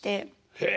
へえ。